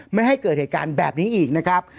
ไม่ให้เกิดเหตุการณ์แบบนี้อีกนะครับ